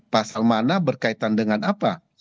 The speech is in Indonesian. pasal mana berkaitan dengan apa